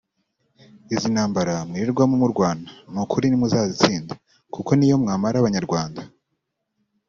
Izi ntambara mwirirwamo murwana n’ukuri ntimuzazitsinda kuko niyo mwamara abanyarwanda